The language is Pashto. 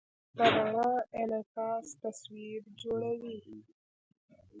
د رڼا انعکاس تصویر جوړوي.